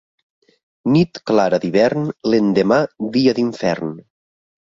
Nit clara d'hivern, l'endemà dia d'infern.